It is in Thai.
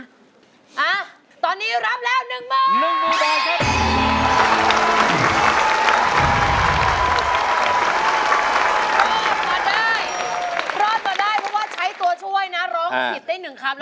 รอดประมาณได้เพราะว่าใช้ตัวช่วยนะจะได้๑ครั้ง